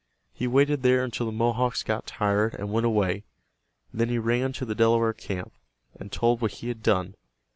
He waited there until the Mohawks got tired and went away. Then he ran to the Delaware camp, and told what he had done.